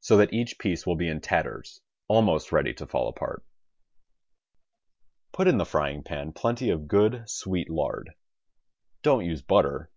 So that each piece will be in tatters, almost ready to fall apart. Put in the frying pan plenty of good sweet lard. Don't use butter.